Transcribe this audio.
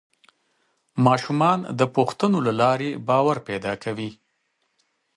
ماشومان د پوښتنو له لارې باور پیدا کوي